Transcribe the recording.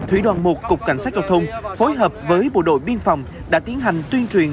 thủy đoàn một cục cảnh sát giao thông phối hợp với bộ đội biên phòng đã tiến hành tuyên truyền